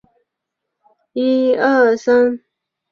阳城缪侯。